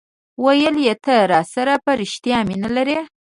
ویل یي ته راسره په ریښتیا مینه لرې